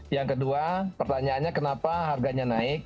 yang kedua pertanyaannya kenapa harganya naik